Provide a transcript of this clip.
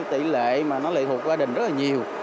tỷ lệ lệ thuộc gia đình rất là nhiều